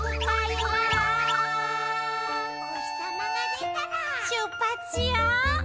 「おひさまがでたらしゅっぱしよう！」